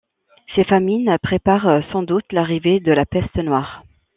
Ces famines préparent sans doute l'arrivée de la peste noire.